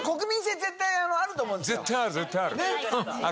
絶対ある、絶対ある。